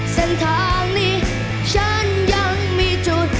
เส้นทางนี้ฉันยังมีจุด